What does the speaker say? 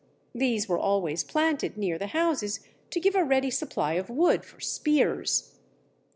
These were always planted near the houses to give a ready supply of wood for spears.